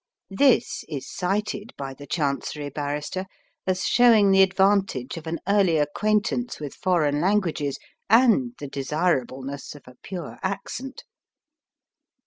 This is cited by the Chancery Barrister as showing the advantage of an early acquaintance with foreign languages, and the desirableness of a pure accent.